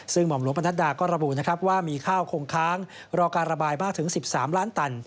ซึ่งหม่อมหลวงประนัดดาก็ระบุนะครับว่ามีข้าวคงค้างรอการระบายมากถึง๑๓ล้านตัน